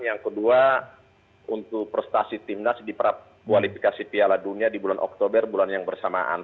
yang kedua untuk prestasi timnas di prakualifikasi piala dunia di bulan oktober bulan yang bersamaan